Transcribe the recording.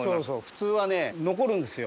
普通はね残るんですよ